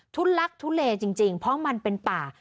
ทุนลักษณ์ทุนเลจริงเพราะมันเป็นป่า